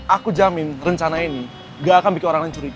aku jamin rencana ini gak akan bikin orang yang curiga